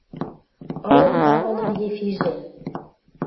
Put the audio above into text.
Ылын Павылын Ефижӹ —